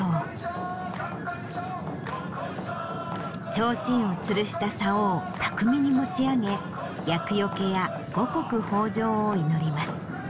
ちょうちんをつるしたさおを巧みに持ち上げ厄よけや五穀豊穣を祈ります。